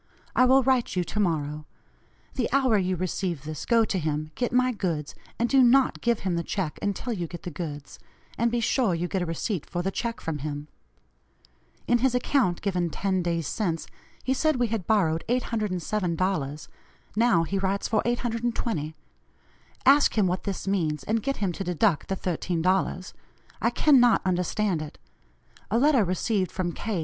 I will write you to morrow. The hour you receive this go to him, get my goods, and do not give him the check until you get the goods, and be sure you get a receipt for the check from him. In his account given ten days since, he said we had borrowed $807; now he writes for $820. Ask him what this means, and get him to deduct the $13. I cannot understand it. A letter received from K.